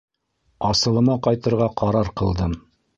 Асылыма ҡайтырға ҡарар ҡылдым.